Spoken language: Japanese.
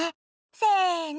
せの。